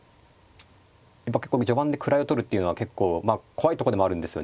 やっぱ結構序盤で位を取るっていうのは結構怖いとこでもあるんですよ。